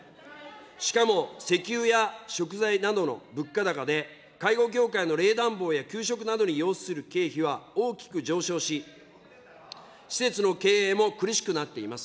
しかも石油や食材などの物価高で、介護業界の冷暖房や給食などに要する経費は大きく上昇し、施設の経営も苦しくなっています。